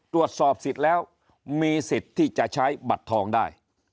ตรวจสอบสิทธิ์แล้วมีสิทธิ์ที่จะใช้บัตรทองได้